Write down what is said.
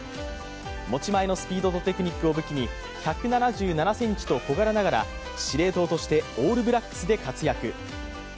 持ち前のスピードとテクニックを武器に１７７ｃｍと小柄ながら、司令塔としてオールブラックスで活躍。